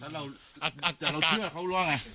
แล้วเราเชื่อเขาว่าไง